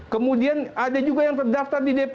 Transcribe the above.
kemudian ada juga yang terdaftar di dpr